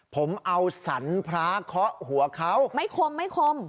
ผมเอาสรรพระเคาะหัวเขาไม่คมไม่คม